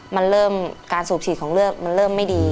มันเริ่มการสูบฉีดของเลือดมันเริ่มไม่ดี